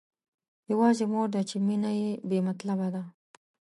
يوازې مور ده چې مينه يې بې مطلبه ده.